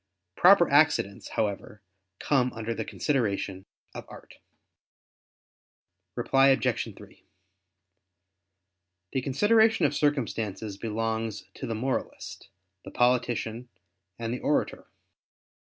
Proper accidents, however, come under the consideration of art. Reply Obj. 3: The consideration of circumstances belongs to the moralist, the politician, and the orator.